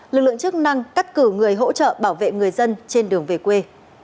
lực lượng chức năng cắt cử người hỗ trợ bảo vệ người dân trên đường về quê